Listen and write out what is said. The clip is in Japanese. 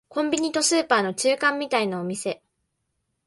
コンビニとスーパーの中間みたいなお店